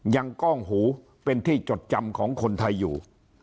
กล้องหูเป็นที่จดจำของคนไทยอยู่